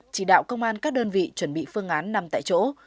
chỉ đạo công an các đơn vị chuẩn bị phương án năm tại chỗ